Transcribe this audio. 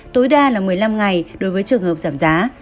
tối đa là một mươi năm ngày đối với trường hợp giảm giá